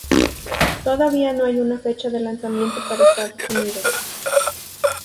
Todavía no hay una fecha de lanzamiento para Estados Unidos.